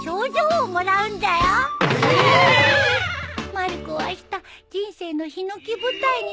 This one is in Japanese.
まる子はあした人生のひのき舞台に立つんだよ。